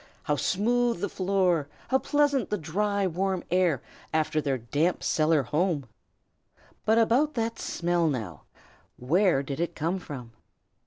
How smooth the floor! how pleasant the dry, warm air, after their damp cellar home! But about that smell, now! where did it come from?